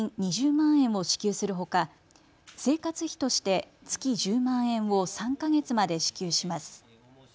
２０万円を支給するほか生活費として月１０万円を３か月まで支給します。